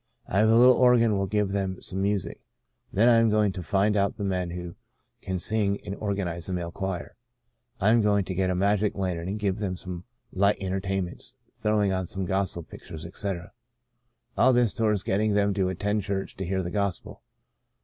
I have a little organ and will give them some music. Then I am going to find out the men who can sing, and organize a male choir. I am going to get a magic lantern and give them some light entertainments, throwing on some gospel pictures, etc. All this towards getting them to attend church to hear the Gospel.